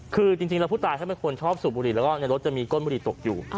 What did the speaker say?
คือจริงแล้วผู้ตายเขาเป็นคนชอบสูบบุหรี่แล้วก็ในรถจะมีก้นบุหรี่ตกอยู่